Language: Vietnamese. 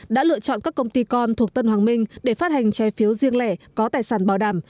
đã lựa chọn các công ty con thuộc tân hoàng minh để phát hành trái phiếu riêng lẻ có tài sản bảo đảm